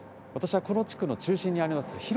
私はこの地区の中心にあります